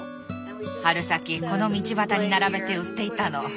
春先この道端に並べて売っていたの。